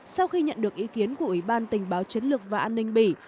sau khi nhận được ý kiến của ủy ban tình báo chiến lược và an ninh bỉ